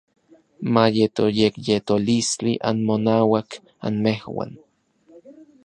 Ma yeto yekyetolistli anmonauak anmejuan.